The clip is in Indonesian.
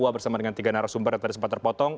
bersama dengan tiga narasumber yang tadi sempat terpotong